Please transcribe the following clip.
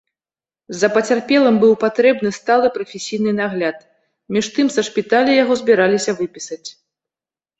За пацярпелым быў патрэбны сталы прафесійны нагляд, між тым са шпіталя яго збіраліся выпісаць.